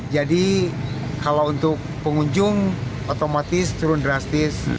jadi kalau untuk pengunjung otomatis turun drastis